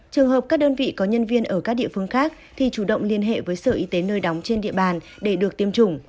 trường hợp các đơn vị có nhân viên ở các địa phương khác thì chủ động liên hệ với sở y tế nơi đóng trên địa bàn để được tiêm chủng